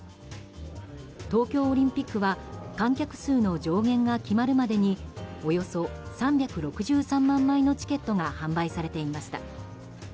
東京オリンピックは観客数の上限が決まるまでにおよそ３６３万枚のチケットが販売されていました。